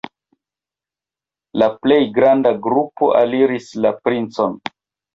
La plej granda grupo aliris la princon.